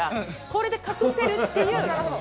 これで隠せるっていう。